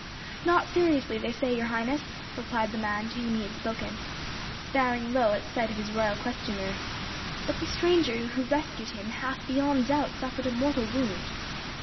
"Not seriously, they say, your Highness," replied the man to whom he had spoken, bowing low at sight of his royal questioner; "but the stranger who rescued him hath beyond doubt suffered a mortal wound."